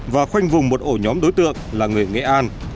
và khoanh vùng một ổ nhóm đối tượng là người nghệ an